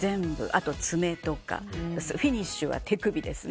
あと爪とかフィニッシュは手首です。